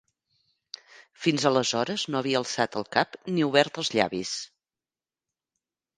Fins aleshores no havia alçat el cap ni obert els llavis.